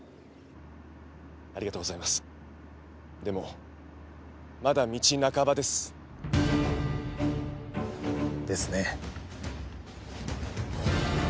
ありがとうございます、でもまだ道半ばです。ですね。